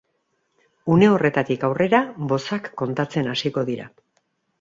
Une horretatik aurrera bozak kontatzen hasiko dira.